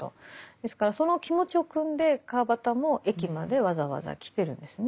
ですからその気持ちをくんで川端も駅までわざわざ来てるんですね。